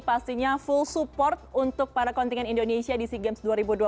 pastinya full support untuk para kontingen indonesia di sea games dua ribu dua puluh